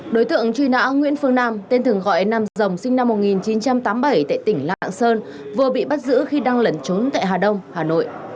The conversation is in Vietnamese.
đối tượng truy nã nguyễn phương nam tên thường gọi nam rồng sinh năm một nghìn chín trăm tám mươi bảy tại tỉnh lạng sơn vừa bị bắt giữ khi đang lẩn trốn tại hà đông hà nội